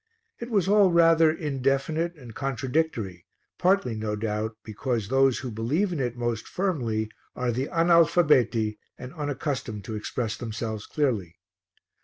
It was all rather indefinite and contradictory, partly, no doubt, because those who believe in it most firmly are the analfabeti and unaccustomed to express themselves clearly.